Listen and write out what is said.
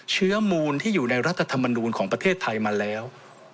เชื้อมูลที่อยู่ในรัฐธรรมนูลของประเทศไทยมาแล้ว